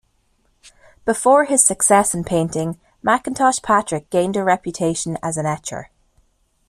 Before his success in painting, McIntosh Patrick gained a reputation as an etcher.